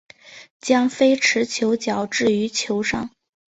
将非持球脚置于球上。